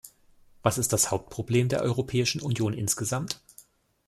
Was ist das Hauptproblem der Europäischen Union insgesamt?